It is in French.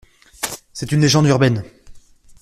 C'est une légende urbaine.